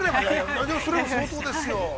◆それは相当ですよ。